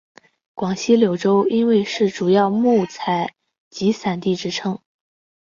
广西柳州因为是主要木材集散地之称。